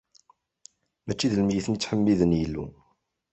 Mačči d lmeyytin i yettḥemmiden Illu.